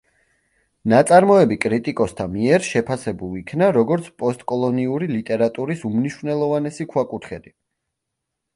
ნაწარმოები კრიტიკოსთა მიერ შეფასებულ იქნა, როგორც პოსტკოლონიური ლიტერატურის უმნიშვნელოვანესი ქვაკუთხედი.